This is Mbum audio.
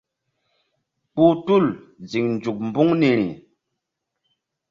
Kpuh tul ziŋ nzuk mbuŋ niri.